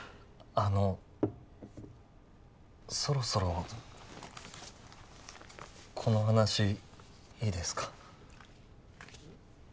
あのそろそろこの話いいですか？